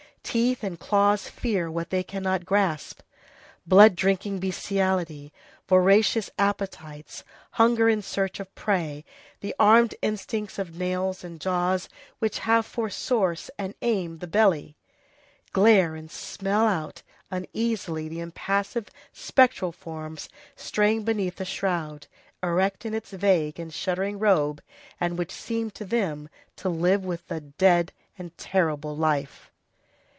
Teeth and claws fear what they cannot grasp. Blood drinking bestiality, voracious appetites, hunger in search of prey, the armed instincts of nails and jaws which have for source and aim the belly, glare and smell out uneasily the impassive spectral forms straying beneath a shroud, erect in its vague and shuddering robe, and which seem to them to live with a dead and terrible life.